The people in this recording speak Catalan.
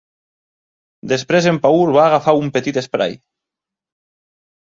Després en Paul va agafar un petit esprai.